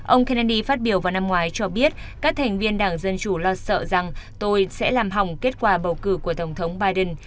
ông kenny phát biểu vào năm ngoái cho biết các thành viên đảng dân chủ lo sợ rằng tôi sẽ làm hỏng kết quả bầu cử của tổng thống biden